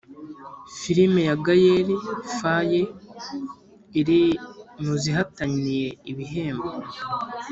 filime ya Gael faye iri mu zihataniye ibihembo